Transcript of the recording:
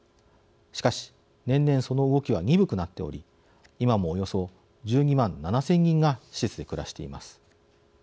しかし年々その動きは鈍くなっており今もおよそ１２万７，０００人が施設で暮らしています。